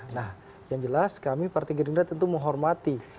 nah yang jelas kami partai gerindra tentu menghormati